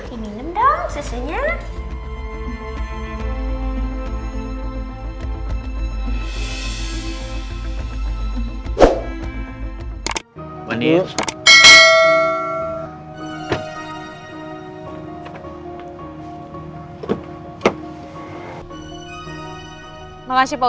ini minum dong susunya